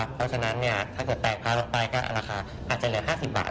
เพราะฉะนั้นถ้าเกิดแตกพาลงไปก็ราคาอาจจะเหลือ๕๐บาท